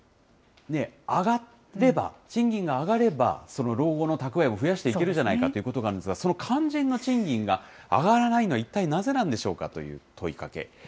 賃金が上がれば、その老後の蓄えも増やしていけるのじゃないかということなんですけれども、その肝心な賃金が上がらないのは、一体なぜなんでしょうかという問いかけ。